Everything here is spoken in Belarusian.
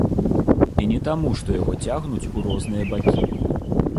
І не таму што яго цягнуць у розныя бакі.